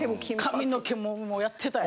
髪の毛もやってたよ。